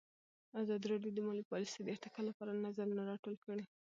ازادي راډیو د مالي پالیسي د ارتقا لپاره نظرونه راټول کړي.